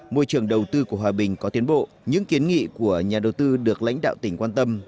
môi trường đầu tư của hòa bình có tiến bộ những kiến nghị của nhà đầu tư được lãnh đạo tỉnh quan tâm